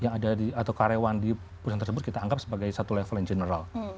yang ada di atau karyawan di perusahaan tersebut kita anggap sebagai satu level yang general